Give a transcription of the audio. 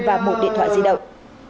và một điện thoại di động